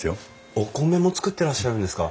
お米も作ってらっしゃるんですか？